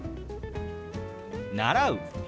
「習う」。